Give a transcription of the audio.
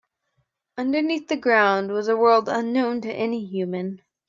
Underneath the ground was a world unknown to any human.